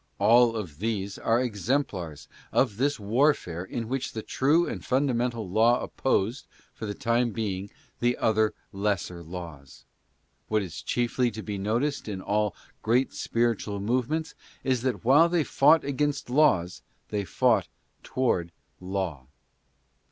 All these are exemplars of this warfare in which the true and fundamental law opposed, for the time being, the other lesser laws. What is chiefly to be noticed in all great spiritual movements is that while they fought against laws they fought toward Law.